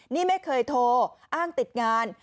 นี่ไม่เคยโทรอ้างติดงาน